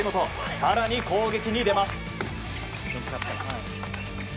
更に攻撃に出ます。